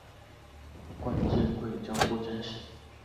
官至贵州布政使。